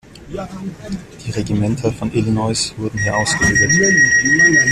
Die Regimenter von Illinois wurden hier ausgebildet.